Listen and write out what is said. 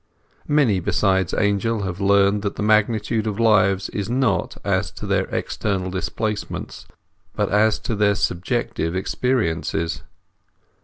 Many besides Angel have learnt that the magnitude of lives is not as to their external displacements, but as to their subjective experiences.